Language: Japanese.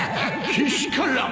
けしからん！